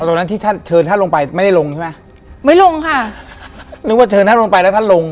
ตรงนั้นที่ท่านเชิญท่านลงไปไม่ได้ลงใช่ไหมไม่ลงค่ะนึกว่าเชิญท่านลงไปแล้วท่านลง